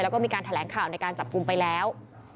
แล้วก็มีการแถลงข่าวในการจับกลุ่มไปแล้ว